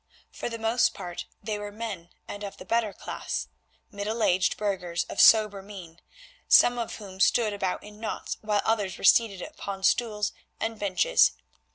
For the most part they were men of the better class, middle aged burghers of sober mien, some of whom stood about in knots, while others were seated upon stools and benches.